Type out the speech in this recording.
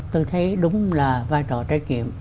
tôi thấy đúng là vai trò trách nhiệm